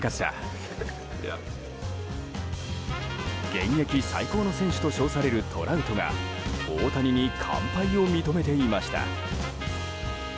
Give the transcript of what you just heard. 現役最高の選手と称されるトラウトが大谷に完敗を認めていました。